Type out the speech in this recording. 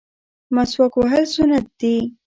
مسواک وهل سنت دي